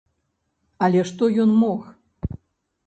Але што ён мог?